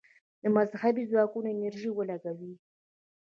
د مذهبي ځواکونو انرژي ولګوي.